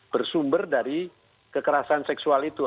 bersumber dari kekerasan seksual itu